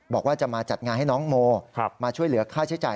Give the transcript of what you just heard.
บอกว่าจะมาจัดงานให้น้องโมมาช่วยเหลือค่าใช้จ่าย